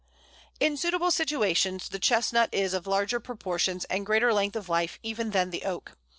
] In suitable situations the Chestnut is of larger proportions and greater length of life even than the Oak.